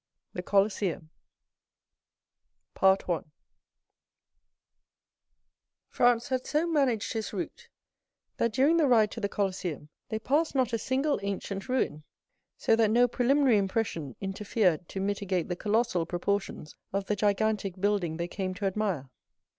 The Colosseum Franz had so managed his route, that during the ride to the Colosseum they passed not a single ancient ruin, so that no preliminary impression interfered to mitigate the colossal proportions of the gigantic building they came to admire.